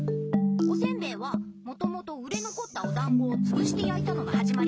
おせんべいはもともと売れ残ったお団子をつぶしてやいたのがはじまりだからね。